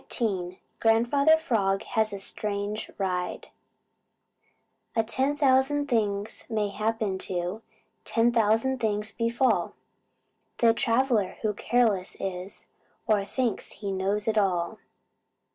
XIV GRANDFATHER FROG HAS A STRANGE RIDE A thousand things may happen to, Ten thousand things befall, The traveler who careless is, Or thinks he knows it all.